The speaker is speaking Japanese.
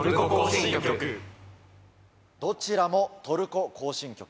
どちらも『トルコ行進曲』。